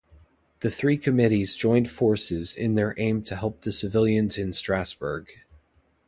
The three committees joined forces in their aim to help the civilians in Strassburg.